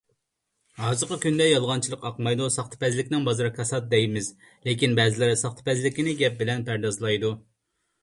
ھازىرقى كۈندە يالغانچىلىق ئاقمايدۇ، ساختىپەزلىكنىڭ بازىرى كاسات دەيمىز، لېكىن بەزىلەر ساختىپەزلىكنى گەپ بىلەن پەردازلايدۇ.